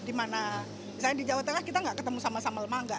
di mana misalnya di jawa tengah kita gak ketemu sama sambel mangga